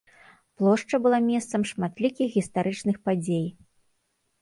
Плошча была месцам шматлікіх гістарычных падзей.